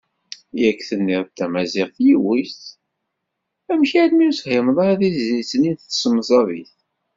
Yak tenniḍ-d tamaziɣt yiwet, amek armi ur tefhimeḍ tizlit-nni s temẓabit?